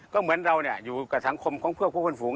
ก็เหมือนเราอยู่กับสังคมของเพื่อผู้คนฝูง